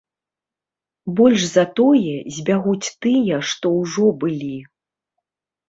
Больш за тое, збягуць тыя, што ўжо былі.